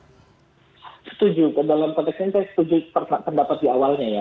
setuju dalam konteks ini saya setuju pendapat di awalnya ya